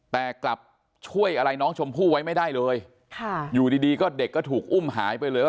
แต่กลับช่วยอะไรน้องชมพู่ไว้ไม่ได้เลยค่ะอยู่ดีดีก็เด็กก็ถูกอุ้มหายไปเลย